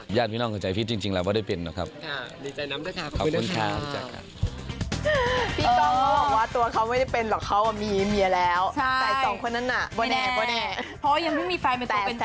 เพราะว่ายังไม่มีแฟนมายคูลเป็นตัวเนี่ย